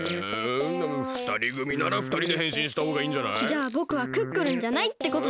じゃあぼくはクックルンじゃないってことで。